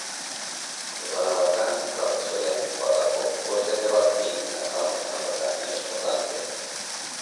Օդանավակայանը կառուցվել է այն նպատակով, որ թեթևացնի հիմնական օդանավակայանի աշխատանքը։